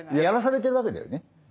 やらされてるわけだよね。